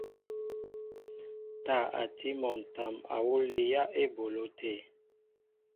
Taa a tí mol ǹtam awǔ líyá eboló te.